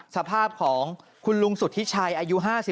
สภาพของคุณลุงสุธิชัยอายุ๕๓